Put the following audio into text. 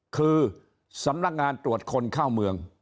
คือสำนักงานตรวจคนเข้าเมือง